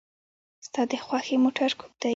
ستا د خوښې موټر کوم دی؟